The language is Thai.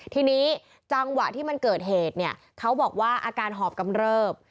ทีนี้จังหวะที่มันเกิดเหตุเนี่ยเขาบอกว่าอาการหอบกำเริบ